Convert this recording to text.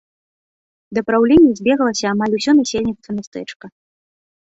Да праўлення збеглася амаль усё насельніцтва мястэчка.